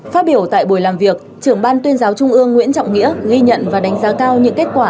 phát biểu tại buổi làm việc trưởng ban tuyên giáo trung ương nguyễn trọng nghĩa ghi nhận và đánh giá cao những kết quả